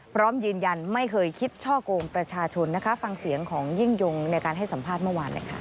พร้อมยืนยันไม่เคยคิดช่อกงประชาชนนะคะฟังเสียงของยิ่งยงในการให้สัมภาษณ์เมื่อวานหน่อยค่ะ